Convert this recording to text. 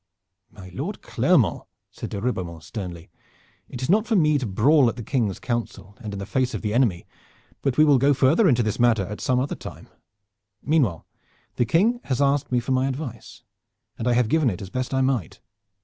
"My Lord Clermont," said de Ribeaumont sternly, "it is not for me to brawl at the King's council and in the face of the enemy, but we will go further into this matter at some other time. Meanwhile, the King has asked me for my advice and I have given it as best I might."